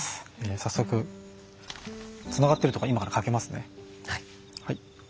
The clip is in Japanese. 早速つながってるというか今からかけますね。